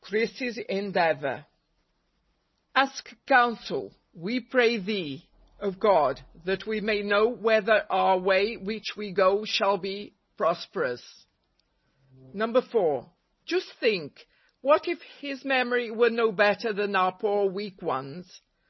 Chris'y'fl Endeavor. 11 Ask counsel , tee pray thee , of God, that we may know whether our way which we go shall be pros¬ perous." 4. "Just think! What if His memory were no better than our poor weak ones!